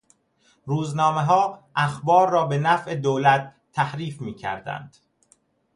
روزنامهها اخبار را به نفع دولت تحریف میکردند.